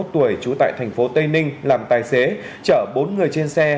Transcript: ba mươi một tuổi chú tại tp tây ninh làm tài xế chở bốn người trên xe